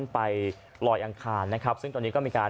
ไปลอยอังคารซึ่งตอนนี้ก็มีการ